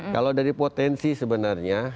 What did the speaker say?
kalau dari potensi sebenarnya